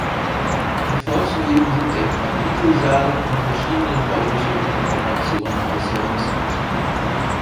Hervorzuheben sind der Kapitelsaal und verschiedene bauliche Dekorationen aus der Renaissance.